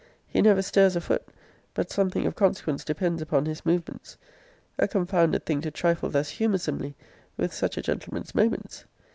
He never stirs a foot, but something of consequence depends upon his movements. A confounded thing to trifle thus humoursomely with such a gentleman's moments!